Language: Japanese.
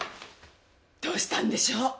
どうしたんでしょう！？